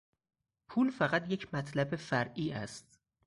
پول فقط یک مطلب فرعی است.